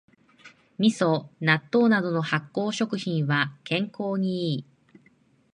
みそ、納豆などの発酵食品は健康にいい